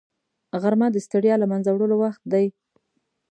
غرمه د ستړیا له منځه وړلو وخت دی